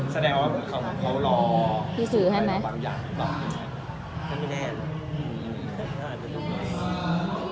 แสดงว่าเขารอบางอย่างมีแม่น